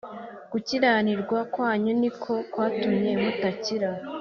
Gukiranirwa kwanyu niko kwatumye mutakira